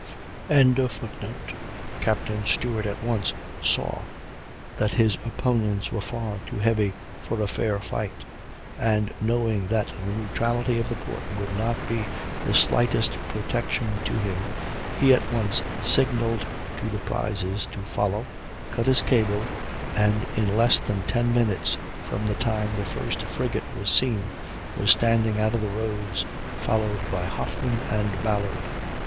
] Captain Stewart at once saw that his opponents were far too heavy for a fair fight, and, knowing that the neutrality of the port would not be the slightest protection to him, he at once signalled to the prizes to follow, cut his cable, and, in less than ten minutes from the time the first frigate was seen, was standing out of the roads, followed by Hoffmann and Ballard.